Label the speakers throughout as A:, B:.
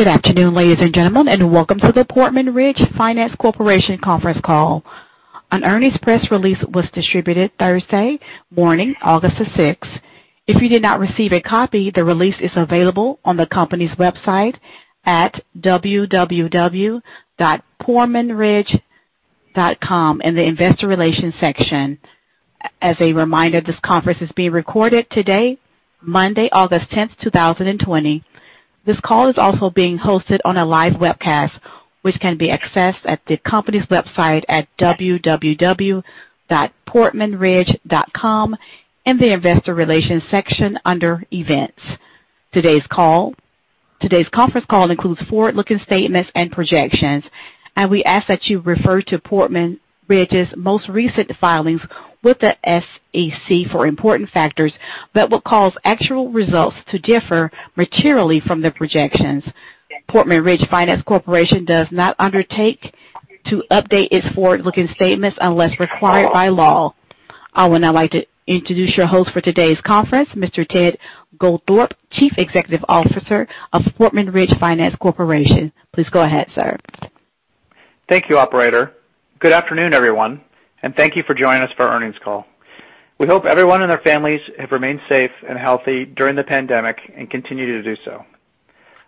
A: Good afternoon, ladies and gentlemen, and welcome to the Portman Ridge Finance Corporation conference call. An earnings press release was distributed Thursday morning, August the 6th. If you did not receive a copy, the release is available on the company's website at www.portmanridge.com in the investor relations section. As a reminder, this conference is being recorded today, Monday, August 10th, 2020. This call is also being hosted on a live webcast, which can be accessed at the company's website at www.portmanridge.com in the investor relations section under events. Today's conference call includes forward-looking statements and projections, and we ask that you refer to Portman Ridge's most recent filings with the SEC for important factors, but would cause actual results to differ materially from the projections. Portman Ridge Finance Corporation does not undertake to update its forward-looking statements unless required by law. I would now like to introduce your host for today's conference, Mr. Ted Goldthorpe, Chief Executive Officer of Portman Ridge Finance Corporation. Please go ahead, sir.
B: Thank you, operator. Good afternoon, everyone, and thank you for joining us for our earnings call. We hope everyone and their families have remained safe and healthy during the pandemic and continue to do so.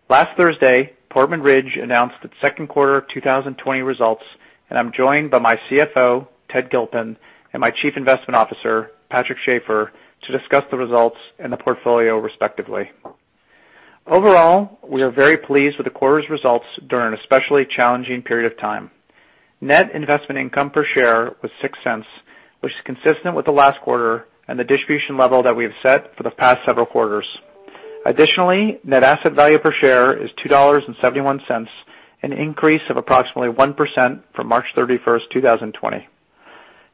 B: Last Thursday, Portman Ridge announced its Q2 2020 results, and I'm joined by my CFO, Ted Gilpin, and my Chief Investment Officer, Patrick Schaefer, to discuss the results and the portfolio, respectively. Overall, we are very pleased with the quarter's results during an especially challenging period of time. Net investment income per share was $0.06, which is consistent with the last quarter and the distribution level that we have set for the past several quarters. Additionally, net asset value per share is $2.71, an increase of approximately 1% from March 31st, 2020.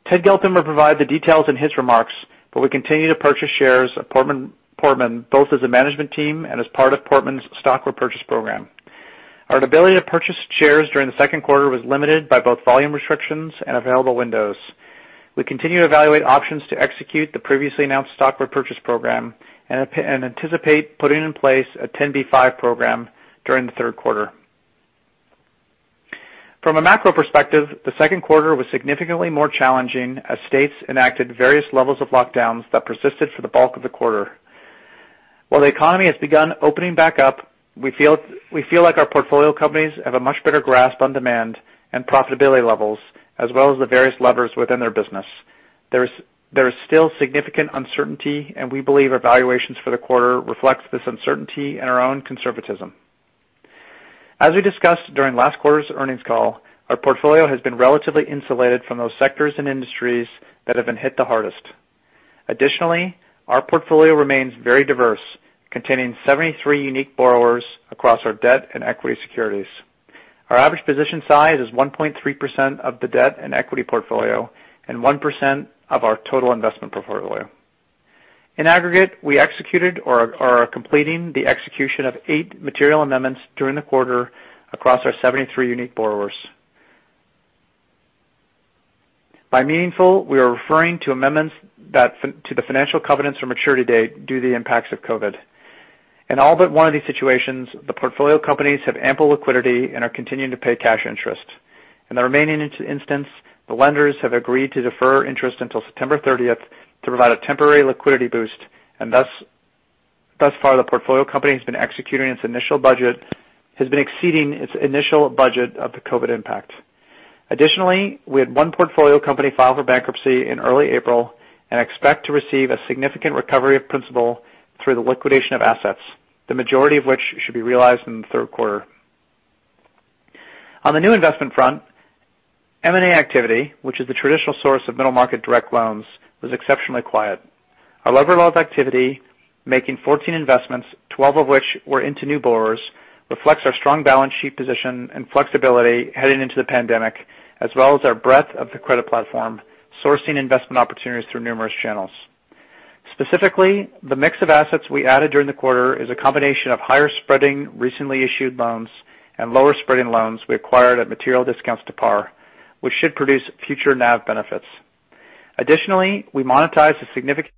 B: Ted Gilpin will provide the details in his remarks, but we continue to purchase shares of Portman both as a management team and as part of Portman's stock purchase program. Our ability to purchase shares during the Q2 was limited by both volume restrictions and available windows. We continue to evaluate options to execute the previously announced stock purchase program and anticipate putting in place a 10b5 program during the Q3. From a macro perspective, the Q2 was significantly more challenging as states enacted various levels of lockdowns that persisted for the bulk of the quarter. While the economy has begun opening back up, we feel like our portfolio companies have a much better grasp on demand and profitability levels, as well as the various levers within their business. There is still significant uncertainty, and we believe our valuations for the quarter reflect this uncertainty and our own conservatism. As we discussed during last quarter's earnings call, our portfolio has been relatively insulated from those sectors and industries that have been hit the hardest. Additionally, our portfolio remains very diverse, containing 73 unique borrowers across our debt and equity securities. Our average position size is 1.3% of the debt and equity portfolio and 1% of our total investment portfolio. In aggregate, we executed or are completing the execution of eight material amendments during the quarter across our 73 unique borrowers. By meaningful, we are referring to amendments to the financial covenants for maturity date due to the impacts of COVID. In all but one of these situations, the portfolio companies have ample liquidity and are continuing to pay cash interest. In the remaining instance, the lenders have agreed to defer interest until September 30th to provide a temporary liquidity boost, and thus far, the portfolio company has been executing its initial budget, has been exceeding its initial budget of the COVID impact. Additionally, we had one portfolio company file for bankruptcy in early April and expect to receive a significant recovery of principal through the liquidation of assets, the majority of which should be realized in the Q3. On the new investment front, M&A activity, which is the traditional source of middle market direct loans, was exceptionally quiet. Our level of activity, making 14 investments, 12 of which were into new borrowers, reflects our strong balance sheet position and flexibility heading into the pandemic, as well as our breadth of the credit platform, sourcing investment opportunities through numerous channels. Specifically, the mix of assets we added during the quarter is a combination of higher spreading recently issued loans and lower spreading loans we acquired at material discounts to par, which should produce future NAV benefits. Additionally, we monetized a significant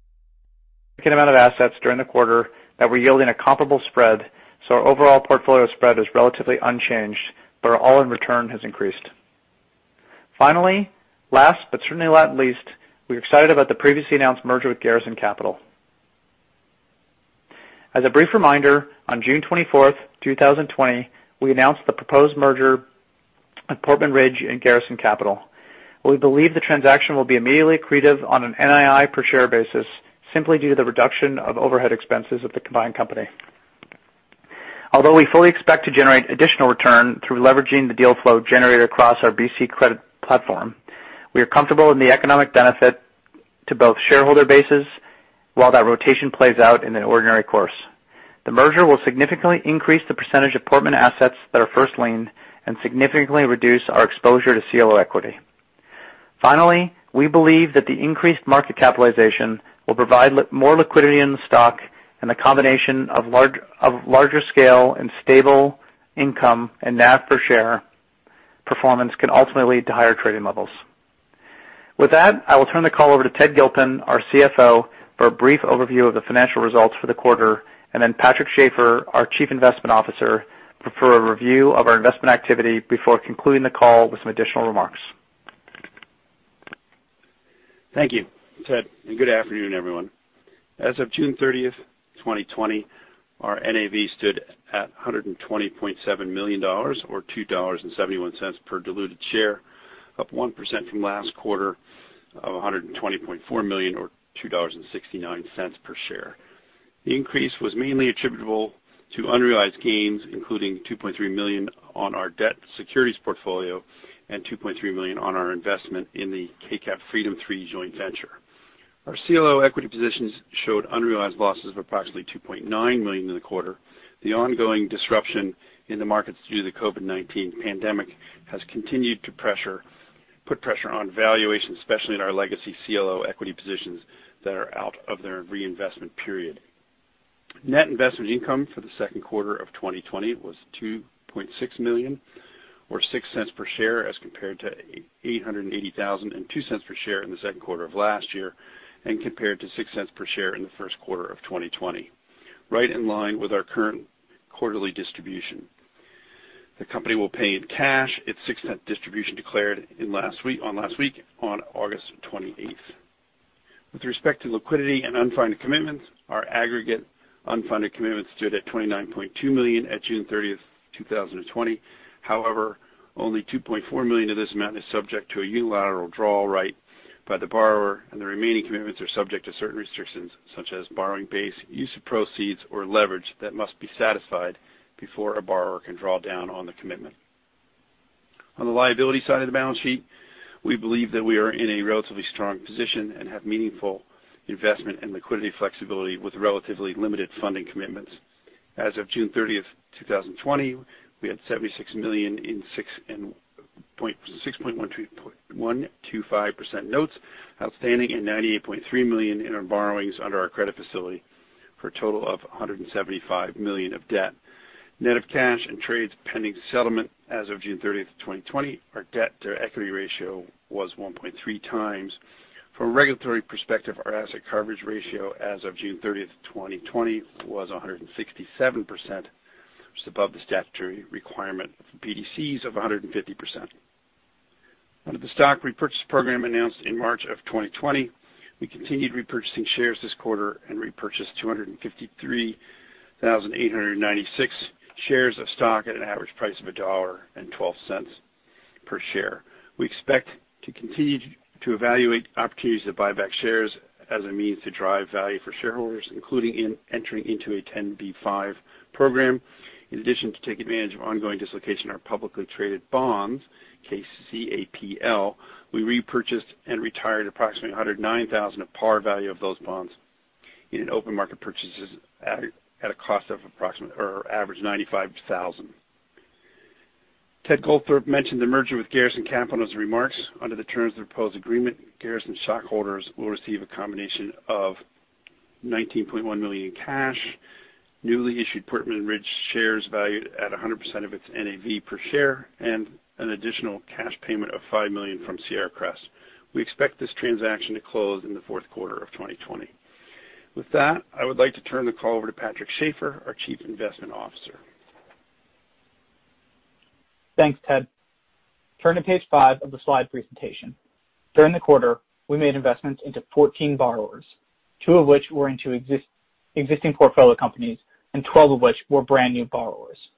B: amount of assets during the quarter that were yielding a comparable spread, so our overall portfolio spread is relatively unchanged, but our all-in return has increased. Finally, last but certainly not least, we're excited about the previously announced merger with Garrison Capital. As a brief reminder, on June 24th, 2020, we announced the proposed merger of Portman Ridge and Garrison Capital. We believe the transaction will be immediately accretive on an NII per share basis, simply due to the reduction of overhead expenses of the combined company. Although we fully expect to generate additional return through leveraging the deal flow generated across our BC credit platform, we are comfortable in the economic benefit to both shareholder bases while that rotation plays out in an ordinary course. The merger will significantly increase the percentage of Portman assets that are first lien and significantly reduce our exposure to CLO equity. Finally, we believe that the increased market capitalization will provide more liquidity in the stock, and the combination of larger scale and stable income and NAV per share performance can ultimately lead to higher trading levels. With that, I will turn the call over to Ted Gilpin, our CFO, for a brief overview of the financial results for the quarter, and then Patrick Schaefer, our Chief Investment Officer, for a review of our investment activity before concluding the call with some additional remarks.
C: Thank you, Ted, and good afternoon, everyone. As of June 30th, 2020, our NAV stood at $120.7 million, or $2.71 per diluted share, up 1% from last quarter of $120.4 million, or $2.69 per share. The increase was mainly attributable to unrealized gains, including $2.3 million on our debt securities portfolio and $2.3 million on our investment in the KCAP Freedom 3 joint venture. Our CLO equity positions showed unrealized losses of approximately $2.9 million in the quarter. The ongoing disruption in the markets due to the COVID-19 pandemic has continued to put pressure on valuations, especially in our legacy CLO equity positions that are out of their reinvestment period. Net investment income for the Q2 of 2020 was $2.6 million, or $0.06 per share, as compared to $880.02 per share in the Q2 of last year and compared to $0.06 per share in the Q1 of 2020, right in line with our current quarterly distribution. The company will pay in cash its $0.06 distribution declared last week, on August 28th. With respect to liquidity and unfunded commitments, our aggregate unfunded commitments stood at $29.2 million at June 30th, 2020. However, only $2.4 million of this amount is subject to a unilateral draw right by the borrower, and the remaining commitments are subject to certain restrictions, such as borrowing base, use of proceeds, or leverage that must be satisfied before a borrower can draw down on the commitment. On the liability side of the balance sheet, we believe that we are in a relatively strong position and have meaningful investment and liquidity flexibility with relatively limited funding commitments. As of June 30th, 2020, we had $76 million in 6.125% notes outstanding and $98.3 million in our borrowings under our credit facility for a total of $175 million of debt. Net of cash and trades pending settlement as of June 30th, 2020, our debt to equity ratio was 1.3 times. From a regulatory perspective, our asset coverage ratio as of June 30th, 2020, was 167%, which is above the statutory requirement for BDCs of 150%. Under the stock repurchase program announced in March of 2020, we continued repurchasing shares this quarter and repurchased 253,896 shares of stock at an average price of $1.12 per share. We expect to continue to evaluate opportunities to buy back shares as a means to drive value for shareholders, including entering into a 10b5 program. In addition, to take advantage of ongoing dislocation in our publicly traded bonds, KCAPL, we repurchased and retired approximately $109,000 of par value of those bonds in an open market purchase at a cost of approximately or average $95,000. Ted Goldthorpe mentioned the merger with Garrison Capital in his remarks. Under the terms of the proposed agreement, Garrison stockholders will receive a combination of $19.1 million in cash, newly issued Portman Ridge shares valued at 100% of its NAV per share, and an additional cash payment of $5 million from Sierra Crest. We expect this transaction to close in the Q4 of 2020. With that, I would like to turn the call over to Patrick Schaefer, our Chief Investment Officer.
A: Thanks, Ted. Turn to page five of the slide presentation. During the quarter, we made investments into 14 borrowers, two of which were into existing portfolio companies and 12 of which were brand new borrowers.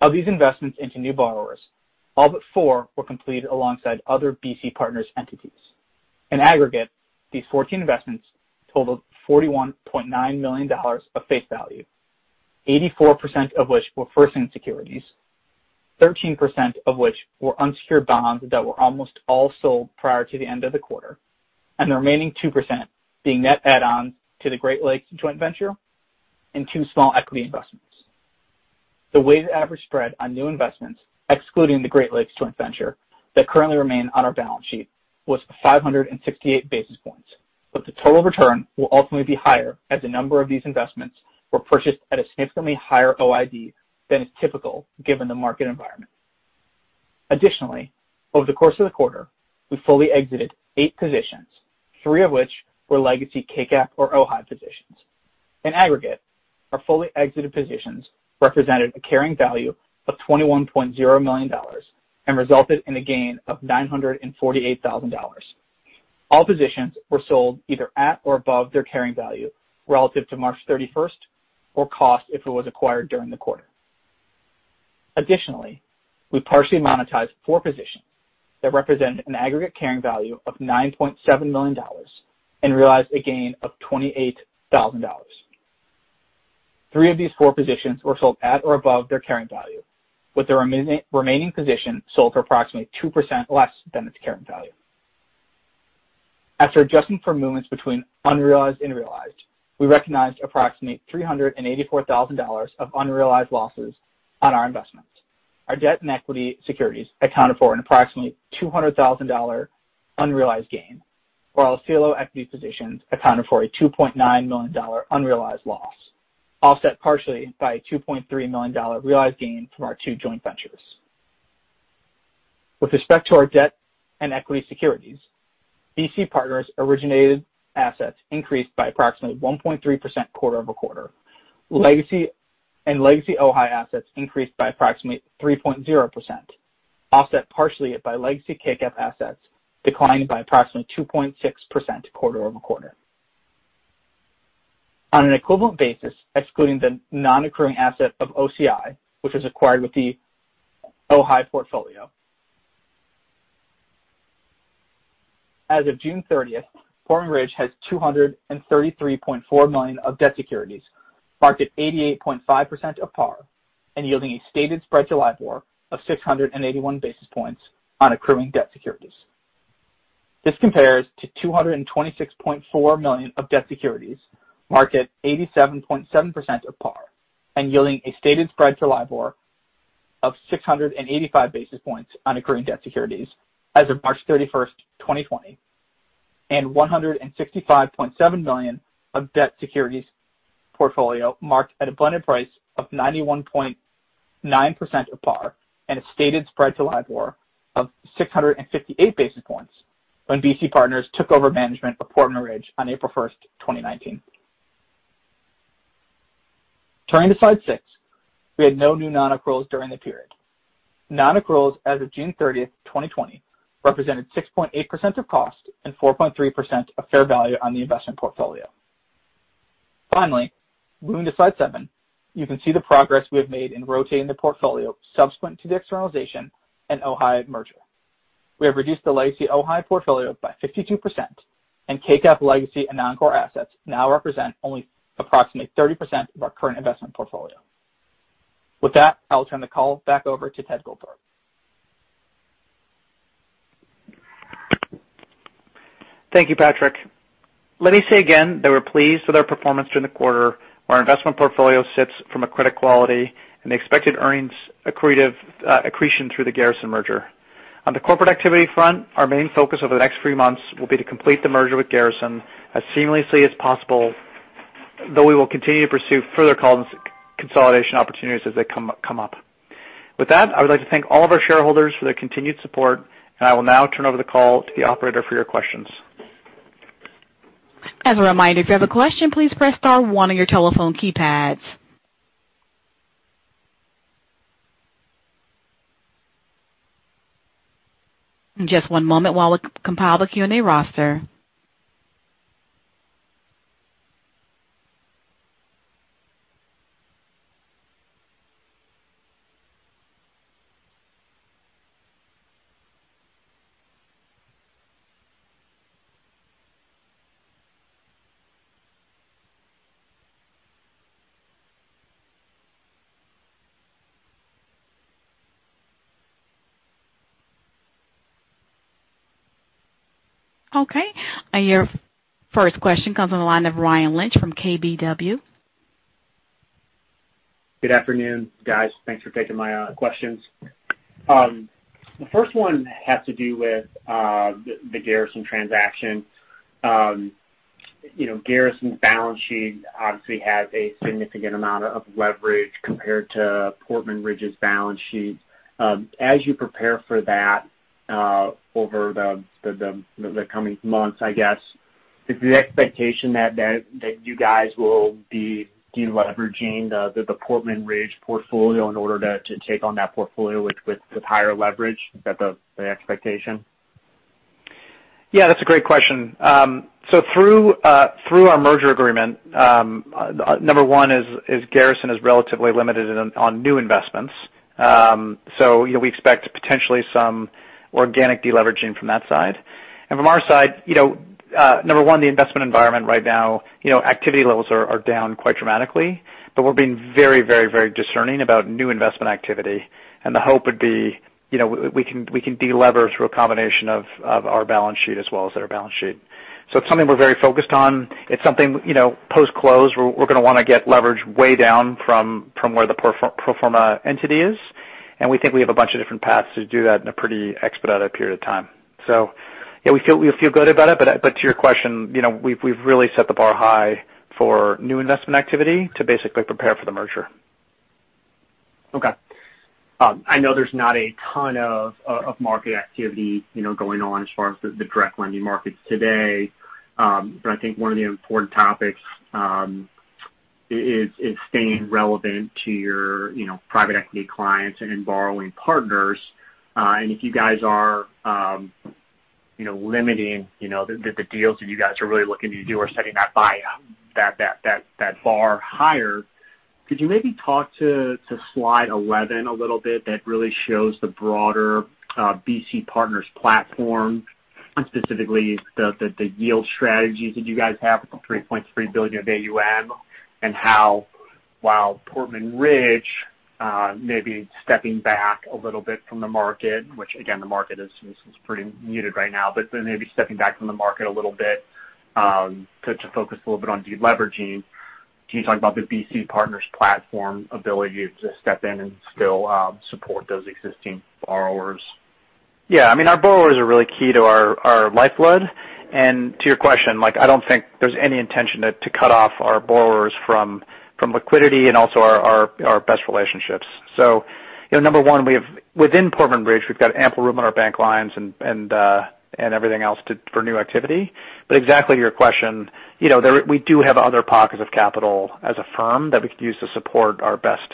A: Of these investments into new borrowers, all but four were completed alongside other BC Partners entities. In aggregate, these 14 investments totaled $41.9 million of face value, 84% of which were first lien securities, 13% of which were unsecured bonds that were almost all sold prior to the end of the quarter, and the remaining 2% being net add-ons to the Great Lakes joint venture and two small equity investments. The weighted average spread on new investments, excluding the Great Lakes joint venture that currently remain on our balance sheet, was 568 basis points, but the total return will ultimately be higher as the number of these investments were purchased at a significantly higher OID than is typical given the market environment. Additionally, over the course of the quarter, we fully exited eight positions, three of which were legacy KCAP or OHAI positions. In aggregate, our fully exited positions represented a carrying value of $21.0 million and resulted in a gain of $948,000. All positions were sold either at or above their carrying value relative to March 31st or cost if it was acquired during the quarter. Additionally, we partially monetized four positions that represented an aggregate carrying value of $9.7 million and realized a gain of $28,000. Three of these four positions were sold at or above their carrying value, with the remaining position sold for approximately 2% less than its carrying value. After adjusting for movements between unrealized and realized, we recognized approximately $384,000 of unrealized losses on our investments. Our debt and equity securities accounted for an approximately $200,000 unrealized gain, while our CLO equity positions accounted for a $2.9 million unrealized loss, offset partially by a $2.3 million realized gain from our two joint ventures. With respect to our debt and equity securities, BC Partners' originated assets increased by approximately 1.3% quarter-over-quarter, and legacy OHAI assets increased by approximately 3.0%, offset partially by legacy KCAP assets declined by approximately 2.6% quarter-over-quarter. On an equivalent basis, excluding the non-accrual asset of OCI, which was acquired with the OHAI portfolio. As of June 30th, Portman Ridge has $233.4 million of debt securities, marked at 88.5% of par, and yielding a stated spread to LIBOR of 681 basis points on accruing debt securities. This compares to $226.4 million of debt securities, marked at 87.7% of par, and yielding a stated spread to LIBOR of 685 basis points on accruing debt securities as of March 31st, 2020, and $165.7 million of debt securities portfolio marked at a blended price of 91.9% of par and a stated spread to LIBOR of 658 basis points when BC Partners took over management of Portman Ridge on April 1st, 2019. Turning to slide six, we had no new non-accruals during the period. Non-accruals as of June 30th, 2020, represented 6.8% of cost and 4.3% of fair value on the investment portfolio. Finally, moving to slide seven, you can see the progress we have made in rotating the portfolio subsequent to the externalization and OHAI merger. We have reduced the legacy OHAI portfolio by 52%, and KCAP legacy and non-core assets now represent only approximately 30% of our current investment portfolio. With that, I'll turn the call back over to Ted Goldthorpe.
B: Thank you, Patrick. Let me say again that we're pleased with our performance during the quarter. Our investment portfolio sits from a credit quality and the expected earnings accretion through the Garrison merger. On the corporate activity front, our main focus over the next three months will be to complete the merger with Garrison as seamlessly as possible, though we will continue to pursue further consolidation opportunities as they come up. With that, I would like to thank all of our shareholders for their continued support, and I will now turn over the call to the operator for your questions.
D: As a reminder, if you have a question, please press star one on your telephone keypad. Just one moment while we compile the Q&A roster. Okay. Your first question comes on the line of Ryan Lynch from KBW.
E: Good afternoon, guys. Thanks for taking my questions. The first one has to do with the Garrison transaction. Garrison's balance sheet obviously has a significant amount of leverage compared to Portman Ridge's balance sheet. As you prepare for that over the coming months, I guess, is the expectation that you guys will be leveraging the Portman Ridge portfolio in order to take on that portfolio with higher leverage? Is that the expectation?
B: Yeah, that's a great question. So through our merger agreement, number one is Garrison is relatively limited on new investments. So we expect potentially some organic deleveraging from that side. And from our side, number one, the investment environment right now, activity levels are down quite dramatically, but we're being very, very, very discerning about new investment activity. And the hope would be we can deleverage through a combination of our balance sheet as well as their balance sheet. So it's something we're very focused on. It's something post-close, we're going to want to get leverage way down from where the pro forma entity is. And we think we have a bunch of different paths to do that in a pretty expedited period of time. So yeah, we feel good about it. But to your question, we've really set the bar high for new investment activity to basically prepare for the merger.
E: Okay. I know there's not a ton of market activity going on as far as the direct lending markets today. But I think one of the important topics is staying relevant to your private equity clients and borrowing partners. And if you guys are limiting the deals that you guys are really looking to do or setting that bar higher, could you maybe talk to slide 11 a little bit that really shows the broader BC Partners platform and specifically the yield strategies that you guys have with the $3.3 billion of AUM and how, while Portman Ridge may be stepping back a little bit from the market, which again, the market is pretty muted right now, but maybe stepping back from the market a little bit to focus a little bit on deleveraging? Can you talk about the BC Partners platform ability to step in and still support those existing borrowers?
B: Yeah. I mean, our borrowers are really key to our lifeblood, and to your question, I don't think there's any intention to cut off our borrowers from liquidity and also our best relationships, so number one, within Portman Ridge, we've got ample room on our bank lines and everything else for new activity, but exactly to your question, we do have other pockets of capital as a firm that we could use to support our best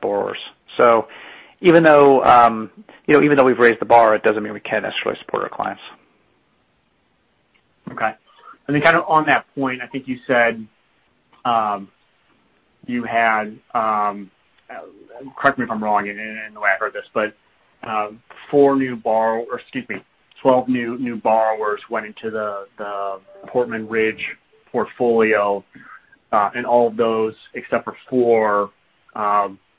B: borrowers, so even though we've raised the bar, it doesn't mean we can't escalate support our clients.
E: Okay. And then kind of on that point, I think you said you had, correct me if I'm wrong in the way I heard this, but 12 new borrowers went into the Portman Ridge portfolio. And all of those, except for four,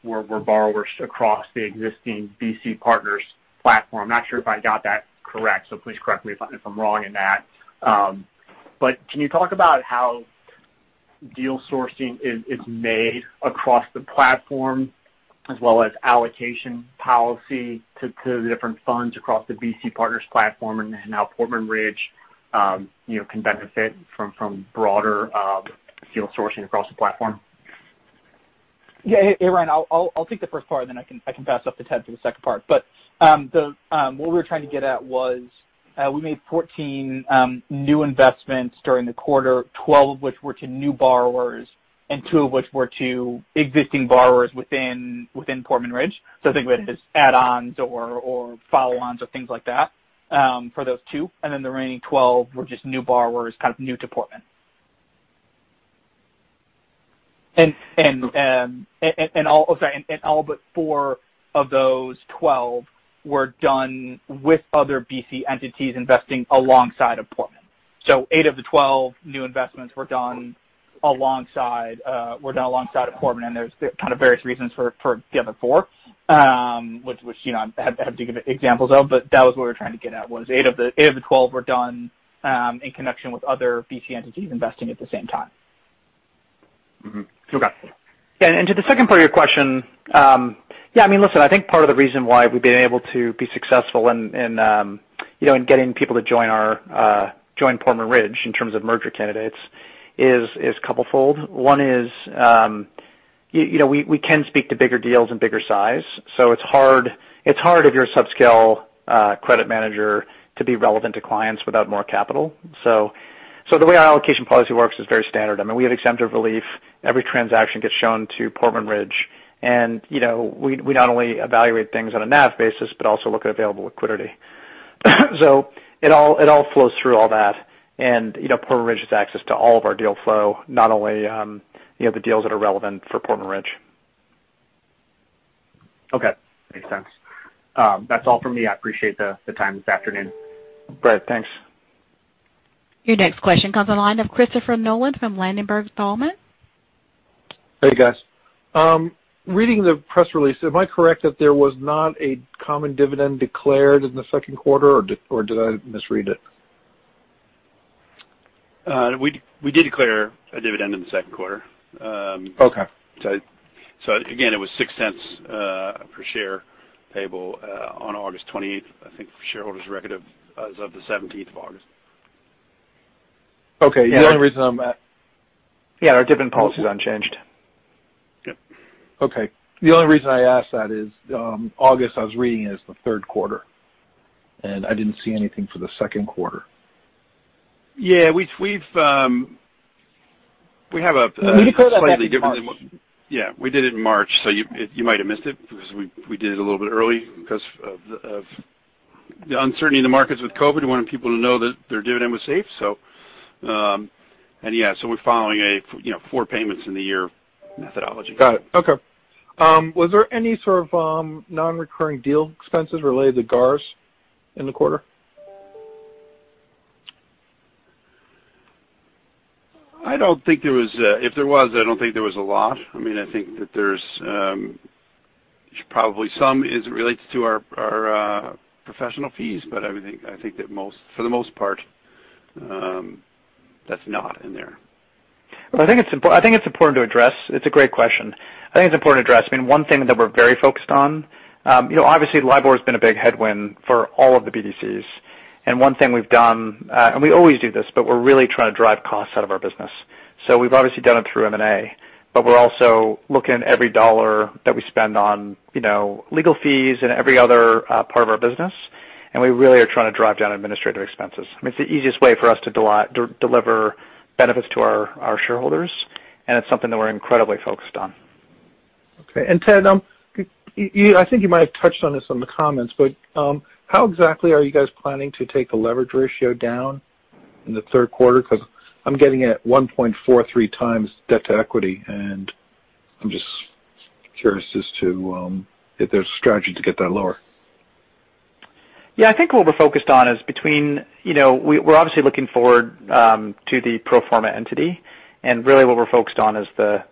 E: were borrowers across the existing BC Partners platform. I'm not sure if I got that correct, so please correct me if I'm wrong in that. But can you talk about how deal sourcing is made across the platform as well as allocation policy to the different funds across the BC Partners platform and how Portman Ridge can benefit from broader deal sourcing across the platform?
A: Yeah. Hey, Ryan, I'll take the first part, and then I can pass it up to Ted for the second part. But what we were trying to get at was we made 14 new investments during the quarter, 12 of which were to new borrowers and 2 of which were to existing borrowers within Portman Ridge. So I think it was add-ons or follow-ons or things like that for those 2. And then the remaining 12 were just new borrowers, kind of new to Portman. And I'll say, and all but 4 of those 12 were done with other BC entities investing alongside of Portman. So 8 of the 12 new investments were done alongside of Portman. There's kind of various reasons for the other four, which I have to give examples of, but that was what we were trying to get at, was 8 of the 12 were done in connection with other BC entities investing at the same time.
B: Okay. And to the second part of your question, yeah, I mean, listen, I think part of the reason why we've been able to be successful in getting people to join Portman Ridge in terms of merger candidates is twofold. One is we can speak to bigger deals and bigger size. So it's hard if you're a subscale credit manager to be relevant to clients without more capital. So the way our allocation policy works is very standard. I mean, we have exemptive relief. Every transaction gets shown to Portman Ridge. And we not only evaluate things on a NAV basis, but also look at available liquidity. So it all flows through all that. And Portman Ridge has access to all of our deal flow, not only the deals that are relevant for Portman Ridge.
E: Okay. Makes sense. That's all for me. I appreciate the time this afternoon.
B: Great. Thanks.
D: Your next question comes on the line of Christopher Nolan from Ladenburg Thalmann.
F: Hey, guys. Reading the press release, am I correct that there was not a common dividend declared in the Q2, or did I misread it?
C: We did declare a dividend in the Q2. So again, it was $0.06 per share payable on August 28th, I think, for shareholders of record on the 17th of August.
F: Okay. The only reason I'm.
B: Yeah, our dividend policy is unchanged.
F: Yep. Okay. The only reason I asked that is August I was reading as the Q3, and I didn't see anything for the Q2.
C: Yeah. We have a slightly different, yeah, we did it in March, so you might have missed it because we did it a little bit early because of the uncertainty in the markets with COVID. We wanted people to know that their dividend was safe. And yeah, so we're following a four payments in the year methodology.
F: Got it. Okay. Was there any sort of non-recurring deal expenses related to GARS in the quarter?
C: I don't think there was. If there was, I don't think there was a lot. I mean, I think that there's probably some as it relates to our professional fees, but I think that for the most part, that's not in there.
B: It's a great question. I mean, one thing that we're very focused on, obviously, LIBOR has been a big headwind for all of the BDCs. And one thing we've done, and we always do this, but we're really trying to drive costs out of our business. So we've obviously done it through M&A, but we're also looking at every dollar that we spend on legal fees and every other part of our business. And we really are trying to drive down administrative expenses. I mean, it's the easiest way for us to deliver benefits to our shareholders. And it's something that we're incredibly focused on.
F: Okay. And Ted, I think you might have touched on this in the comments, but how exactly are you guys planning to take the leverage ratio down in the Q3? Because I'm getting it at 1.43 times debt to equity, and I'm just curious as to if there's a strategy to get that lower.
B: Yeah. I think what we're focused on is between, we're obviously looking forward to the pro forma entity. And really, what we're focused on is the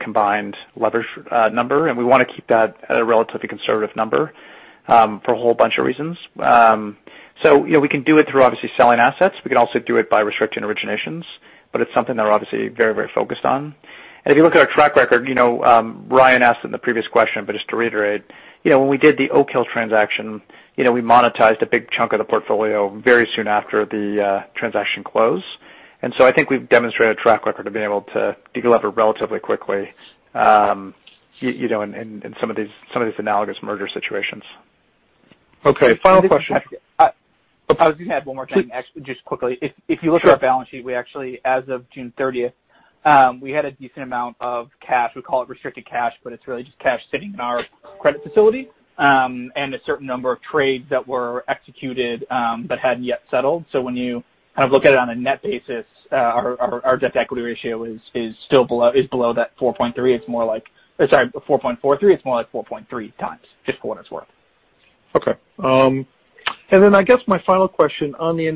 B: combined leverage number. And we want to keep that at a relatively conservative number for a whole bunch of reasons. So we can do it through obviously selling assets. We can also do it by restricting originations. But it's something that we're obviously very, very focused on. And if you look at our track record, Ryan asked in the previous question, but just to reiterate, when we did the Oak Hill transaction, we monetized a big chunk of the portfolio very soon after the transaction close. And so I think we've demonstrated a track record of being able to deliver relatively quickly in some of these analogous merger situations.
F: Okay. Final question.
A: I was going to add one more thing, just quickly. If you look at our balance sheet, we actually, as of June 30th, we had a decent amount of cash. We call it restricted cash, but it's really just cash sitting in our credit facility and a certain number of trades that were executed but hadn't yet settled. So when you kind of look at it on a net basis, our debt to equity ratio is below that 4.3. It's more like, sorry, 4.43. It's more like 4.3 times, just for what it's worth.
F: Okay. And then I guess my final question on the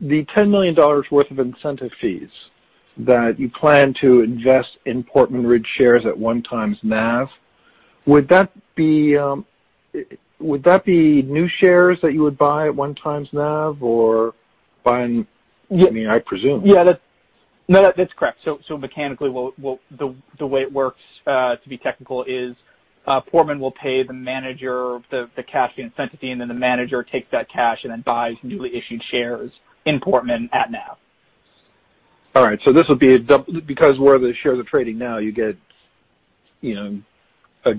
F: $10 million worth of incentive fees that you plan to invest in Portman Ridge shares at one times NAV, would that be new shares that you would buy at one times NAV or buying, I mean, I presume.
A: Yeah. No, that's correct. So mechanically, the way it works, to be technical, is Portman will pay the manager the cash incentive, and then the manager takes that cash and then buys newly issued shares in Portman at NAV.
F: All right, so this would be because where the shares are trading now, you get a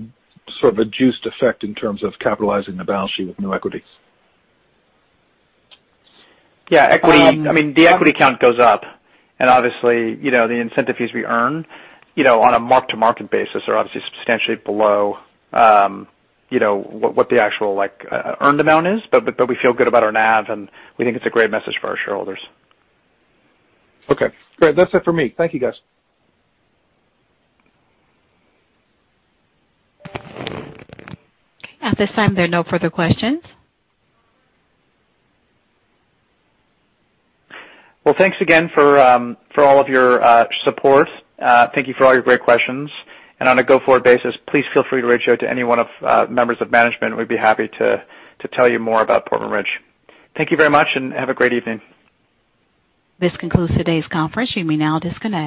F: sort of a juiced effect in terms of capitalizing the balance sheet with new equity.
B: Yeah. I mean, the equity count goes up and obviously, the incentive fees we earn on a mark-to-market basis are obviously substantially below what the actual earned amount is, but we feel good about our NAV, and we think it's a great message for our shareholders.
F: Okay. Great. That's it for me. Thank you, guys.
D: At this time, there are no further questions.
B: Thanks again for all of your support. Thank you for all your great questions. On a go-forward basis, please feel free to reach out to any one of the members of management. We'd be happy to tell you more about Portman Ridge. Thank you very much, and have a great evening.
D: This concludes today's conference. You may now disconnect.